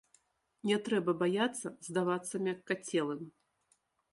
Не трэба баяцца здавацца мяккацелым.